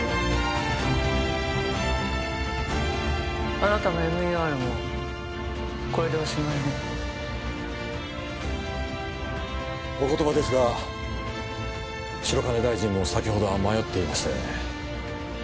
あなたもＭＥＲもこれでおしまいねお言葉ですが白金大臣も先ほどは迷っていましたよね